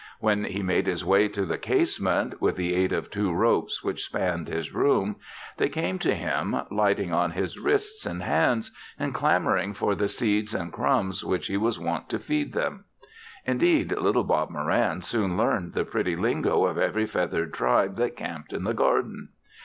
When he made his way to the casement, with the aid of two ropes which spanned his room, they came to him lighting on his wrists and hands and clamoring for the seeds and crumbs which he was wont to feed them. Indeed, little Bob Moran soon learned the pretty lingo of every feathered tribe that camped in the garden.